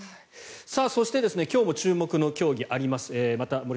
そして今日も注目の競技あります。